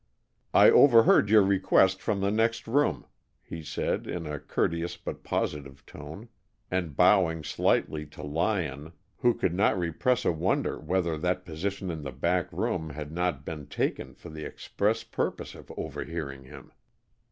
"I overheard your request from the next room," he said, in a courteous but positive tone, and bowing slightly to Lyon, who could not repress a wonder whether that position in the back room had not been taken for the express purpose of overhearing him.